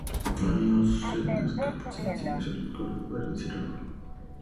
Lo mismo sucede con las capas sensibles a los colores verde y rojo.